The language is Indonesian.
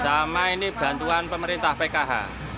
pertama ini bantuan pemerintah pkh